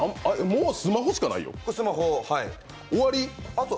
もうスマホしかないよ。